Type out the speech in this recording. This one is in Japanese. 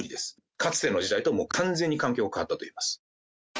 かつての時代と、もう完全に環境が変わったと思います。